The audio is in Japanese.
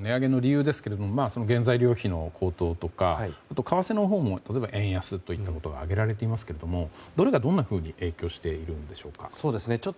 値上げの理由ですが原材料費の高騰とかあと為替のほうも例えば円安といったことが挙げられていますがどれがどんなふうに影響しているんでしょうか。